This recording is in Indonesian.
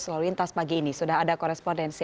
selalu lintas pagi ini sudah ada korespondensi